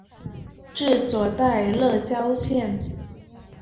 治所在乐郊县。